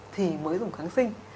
thì mới dùng tháng sinh